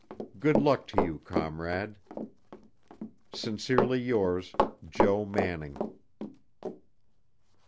Good luck to you, comrade. Sincerely yours, JO MANNING."